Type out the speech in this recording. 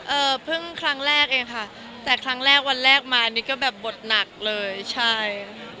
เอ่อเพิ่งครั้งแรกเองค่ะแต่ครั้งแรกวันแรกมานี่ก็แบบบทหนักเลยใช่